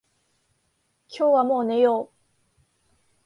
今日はもう寝よう。